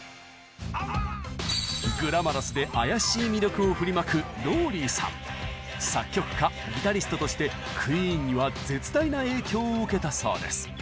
グラマラスで妖しい魅力を振りまく作曲家ギタリストとしてクイーンには絶大な影響を受けたそうです。